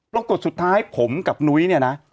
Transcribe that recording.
ปรากฏสุดท้ายผมกับนุ้ยเนี่ยนะ